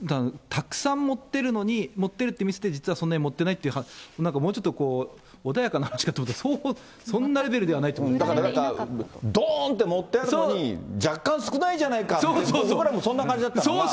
たくさん盛ってるのに、盛ってるって見せて、実はそんなに盛ってないっていう、もうちょっと穏やかな話かと思ったら、そんなレベルではないといだからどーんと盛ってあるのに、若干少ないじゃないか、僕らもそんな感じだったのが。